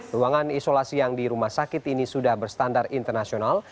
ruangan isolasi yang di rumah sakit ini sudah berstandar internasional